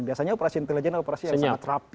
biasanya operasi intelijen dan operasi yang sangat rapi